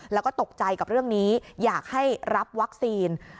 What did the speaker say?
แล้วก็ตกใจกับเรื่องนี้อยากให้รับวัคซีน